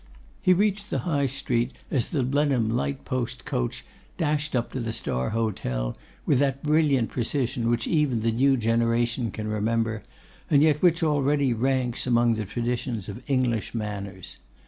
He reached the High Street as the Blenheim light post coach dashed up to the Star Hotel, with that brilliant precision which even the New Generation can remember, and yet which already ranks among the traditions of English manners.